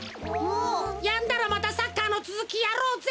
やんだらまたサッカーのつづきやろうぜ。